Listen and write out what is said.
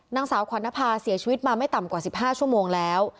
นางสาวขวัญนภาเสียชีวิตมาไม่ต่ำกว่า๑๕ชั่วโมงแล้ว